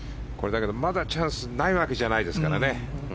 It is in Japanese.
まだチャンスがないわけじゃないですからね。